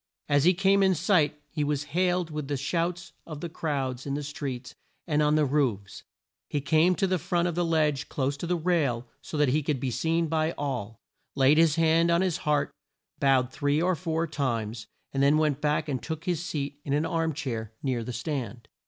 As he came in sight he was hailed with the shouts of the crowds in the streets and on the roofs. He came to the front of the ledge close to the rail, so that he could be seen by all, laid his hand on his heart, bowed three or four times, and then went back and took his seat in an arm chair near the stand.